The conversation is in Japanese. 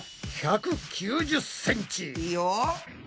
いいよ。